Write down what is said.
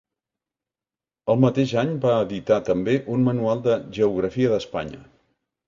Al mateix any va editar també un manual de Geografia d'Espanya.